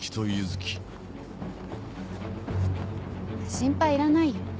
心配いらないよ